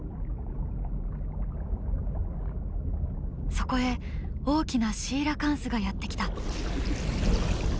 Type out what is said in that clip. そこへ大きなシーラカンスがやって来た。